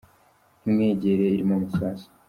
Ntimwegere irimo amasasu!